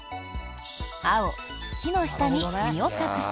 青、木の下に身を隠す。